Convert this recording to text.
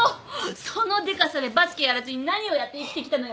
そのでかさでバスケやらずに何をやって生きてきたのよ？